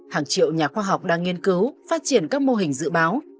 hàng triệu nhà khoa học đang nghiên cứu phát triển các mô hình dự báo